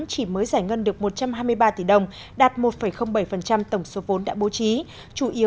chỉ mới giải ngân được một trăm hai mươi ba tỷ đồng đạt một bảy tổng số vốn đã bố trí chủ yếu